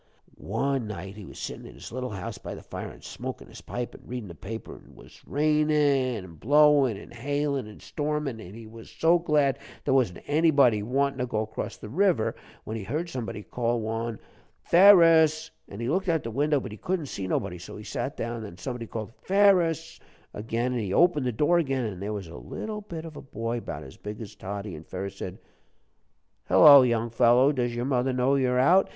"One night he was sittin' in his little house by the fire, an' smokin' his pipe an' readin' the paper, an' 'twas rainin' an' blowin' an' hailin' an' stormin', an' he was so glad there wasn't anybody wantin' to go 'cross the river, when he heard somebody call one 'Ferus!' An' he looked out the window, but he couldn't see nobody, so he sat down again. Then somebody called 'Ferus!' again, and he opened the door again, an' there was a little bit of a boy, 'bout as big as Toddie. An' Ferus said, 'Hello, young fellow, does your mother know you're out?'